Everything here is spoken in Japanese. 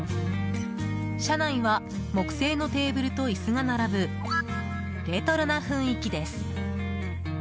車内は木製のテーブルと椅子が並ぶレトロな雰囲気です。